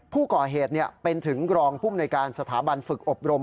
ผู้ก่อเหตุเป็นถึงรองภูมิหน่วยการสถาบันฝึกอบรม